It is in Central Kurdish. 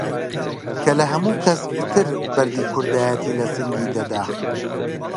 کە لە هەموو کەس پتر بەردی کوردایەتی لە سینگی دەدا!